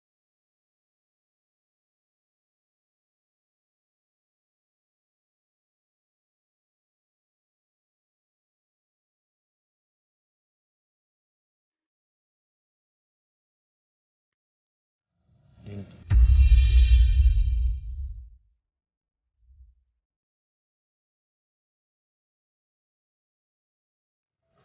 kedengar betapa lu kayak ini